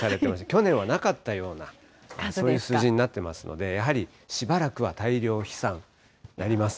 去年はなかったような、そういう数字になってますので、やはりしばらくは大量飛散なります。